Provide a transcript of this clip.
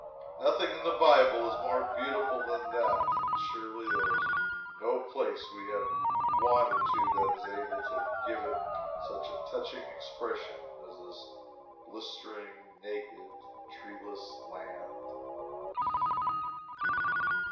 Nothing in the Bible is more beautiful than that, and surely there is no place we have wandered to that is able to give it such touching expression as this blistering, naked, treeless land.